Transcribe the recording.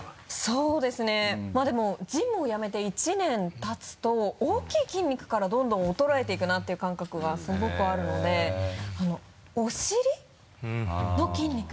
そうですねまぁでもジムを辞めて１年たつと大きい筋肉からどんどん衰えていくなっていう感覚がすごくあるのでお尻の筋肉。